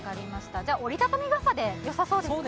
折り畳み傘でよさそうですね。